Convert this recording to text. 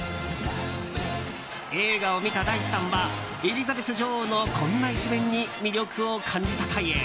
映画を見た大地さんはエリザベス女王のこんな一面に魅力を感じたという。